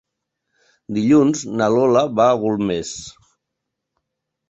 Dilluns na Lola va a Golmés.